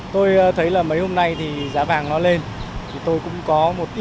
tôi thấy là mấy hôm nay thì giá vàng nó lên tôi cũng có một ít giữ chữ ở nhà